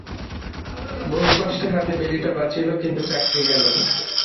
বহুকষ্টে হাতে বেড়িটা বাঁচিল, কিন্তু চাকরি গেল।